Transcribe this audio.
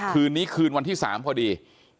คืนนี้คืนวันที่๓พอดี